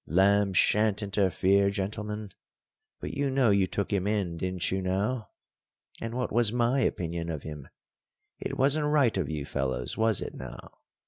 "Lamb shan't interfere, gentlemen. But you know you took him in, didn't you, now? And what was my opinion of him? It wasn't right of you fellows, was it, now?